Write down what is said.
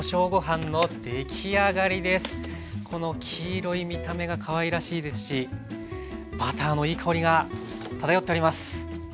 この黄色い見た目がかわいらしいですしバターのいい香りが漂っております。